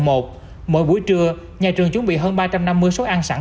mỗi buổi trưa nhà trường chuẩn bị hơn ba trăm năm mươi số ăn sẵn